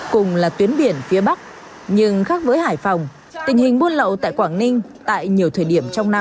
cùng là tuyến biển phía bắc nhưng khác với hải phòng tình hình buôn lậu tại quảng ninh tại nhiều thời điểm trong năm